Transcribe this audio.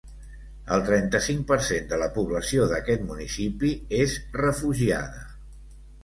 El trenta-cinc per cent de la població d’aquest municipi és refugiada.